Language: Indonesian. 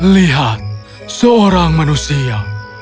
lihat seorang manusia